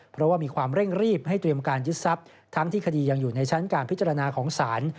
เพราะว่ามีความเร่งรีบให้เตรียมการยึดทรัพย์ทั้งที่คดียังอยู่ในชั้นการพิจารณาของศาล